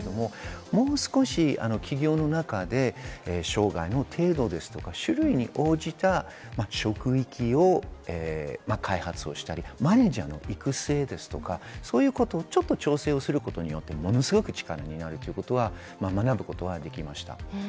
もう少し企業の中で障害の程度ですとか、種類に応じた職域を開発したり、マネージャーの育成とか、そういうことをちょっと調整することで、ものすごく力になるということを学ぶことができました。